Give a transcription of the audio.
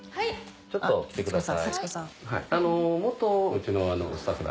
ちょっと来てください。